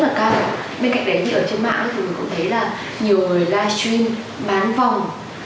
bên cạnh đấy ở trên mạng thì mình cũng thấy là nhiều người livestream bán vòng